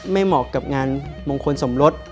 เหมาะกับงานมงคลสมรส